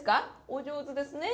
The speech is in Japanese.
お上手ですね。